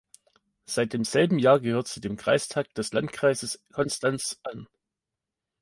Seit demselben Jahr gehört sie dem Kreistag des Landkreises Konstanz an.